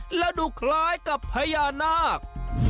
แล้วดูคล้ายกับพญานาค